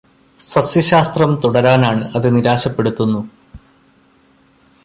സസ്യശാസ്ത്രം തുടരാനാണ് അത് നിരാശപ്പെടുത്തുന്നു